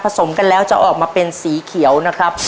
สมกันแล้วจะออกมาเป็นสีเขียวนะครับ